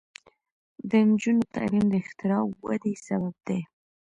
د نجونو تعلیم د اختراع ودې سبب دی.